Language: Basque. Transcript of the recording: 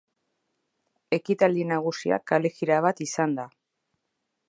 Ekitaldi nagusia kalejira bat izan da.